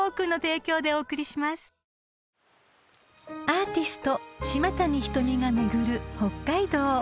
［アーティスト島谷ひとみが巡る北海道］